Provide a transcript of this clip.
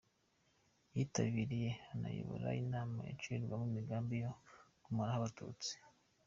Yitabiriye anayobora inama zacurirwagamo imigambi yo kumaraho Abatutsi.